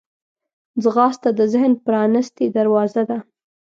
ځغاسته د ذهن پرانستې دروازې ده